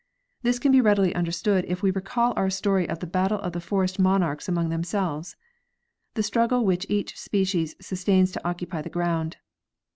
This can be readily understood if we recall our story of the battle of the forest monarchs among themselves, the struggle which each species sustains to occupy the ground.